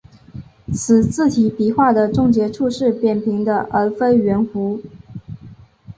此字体笔画的终结处是扁平的而非圆弧。